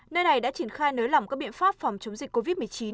nơi này đã triển khai nới lỏng các biện pháp phòng chống dịch covid một mươi chín